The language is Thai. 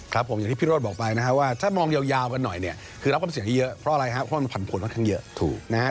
ครับผมอย่างที่พี่โรธบอกไปนะครับว่าถ้ามองยาวกันหน่อยเนี่ยคือรับความเสี่ยงที่เยอะเพราะอะไรครับเพราะมันผันผลค่อนข้างเยอะถูกนะฮะ